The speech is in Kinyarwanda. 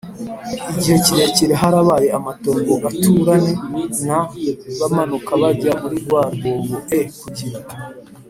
igihe kirekire harabaye amatongo uturane n abamanuka bajya muri rwa rwobo e kugira